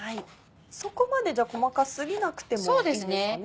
そこまで細か過ぎなくてもいいんですかね？